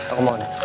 aku mau hantar